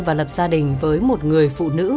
và lập gia đình với một người phụ nữ